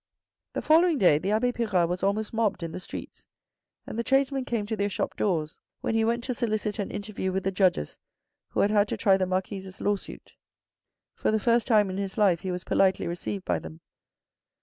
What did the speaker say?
The following day the abbe Pirard was almost mobbed in the streets, and the tradesmen came to their shop doors when THE FIRST PROMOTION 217 he went to solicit an interview with the judges who had had to try the Marquis's lawsuit. For the first time in his life he was politely received by them.